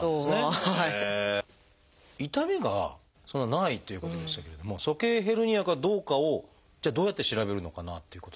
痛みがそんなないっていうことでしたけれども鼠径ヘルニアかどうかをじゃあどうやって調べるのかなっていうことですが。